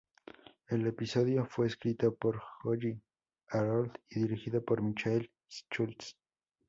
El episodio fue escrito por Holly Harold y dirigido por Michael Schultz.